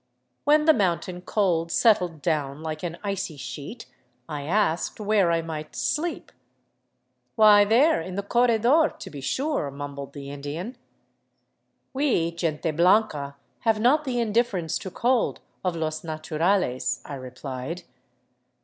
When the mountain cold settled down like an icy sheet, I asked where I might sleep. *' Why, there in the corredor, to be sure," mumbled the Indian. " We gente blanca have not the indifference to cold of los naturales," I replied.